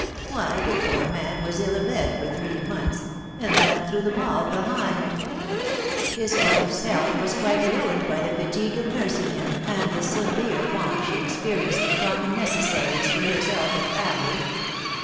"Why, the poor man was ill abed for three months, and that threw them all behind; his wife's health was quite ruined by the fatigue of nursing him and the severe want she experienced of common necessaries for herself and family.